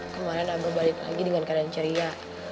kemarin aku balik lagi dengan keadaan ceria